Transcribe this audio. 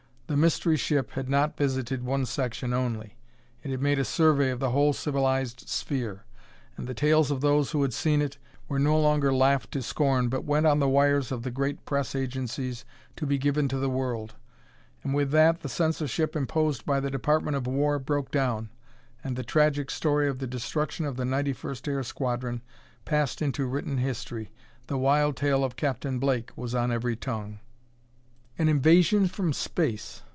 The mystery ship had not visited one section only; it had made a survey of the whole civilized sphere, and the tales of those who had seen it were no longer laughed to scorn but went on the wires of the great press agencies to be given to the world. And with that the censorship imposed by the Department of War broke down, and the tragic story of the destruction of the 91st Air Squadron passed into written history. The wild tale of Captain Blake was on every tongue. An invasion from space!